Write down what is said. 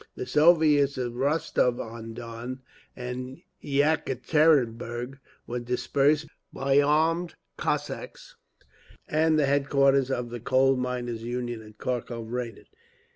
The Soviets of Rostov on Don and Yekaterinburg were dispersed by armed Cossacks, and the headquarters of the Coal Miners' Union at Kharkov raided.